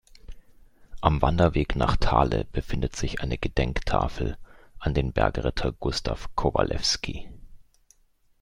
Am Wanderweg nach Thale befindet sich eine Gedenktafel an den Bergretter Gustav Kowalewski.